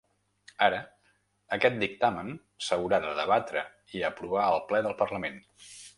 Ara, aquest dictamen s’haurà de debatre i aprovar al ple del parlament.